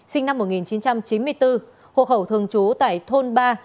sinh năm một nghìn chín trăm chín mươi bốn hộ khẩu thường trú tại thôn ba